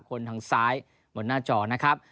คนทางซ้ายบนหน้าจอนะครับ